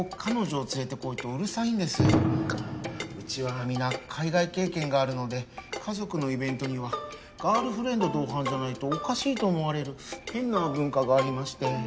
うちは皆海外経験があるので家族のイベントにはガールフレンド同伴じゃないとおかしいと思われる変な文化がありまして